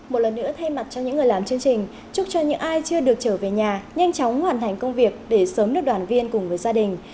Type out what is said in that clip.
một lần nữa thay mặt cho những người làm chương trình chúc cho những ai chưa được trở về nhà nhanh chóng hoàn thành công việc để sớm được đoàn viên cùng với gia đình